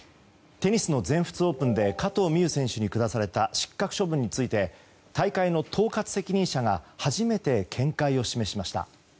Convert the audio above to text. テニスの全仏オープンで加藤未唯選手に下された失格処分について大会の統括責任者が初めて見解を示しました。